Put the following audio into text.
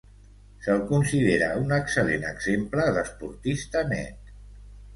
Se'l considera un excel·lent exemple d'esportista net.